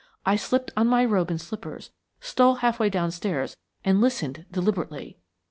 I slipped on my robe and slippers, stole half way downstairs and listened deliberately."